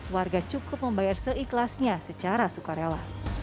warga cukup membayar seikhlasnya secara sukarela